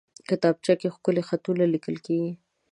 کتابچه کې ښکلي خطونه لیکل کېږي